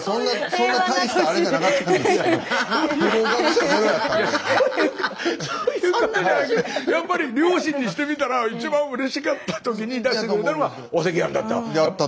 そういうことじゃなくてやっぱり両親にしてみたら一番うれしかったときに出してくれたのがお赤飯だった。